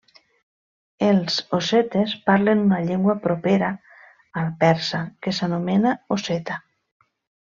Els ossetes parlen una llengua propera al persa que s'anomena osseta.